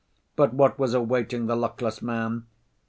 But what was awaiting the luckless man?